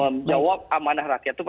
menjawab amanah rakyat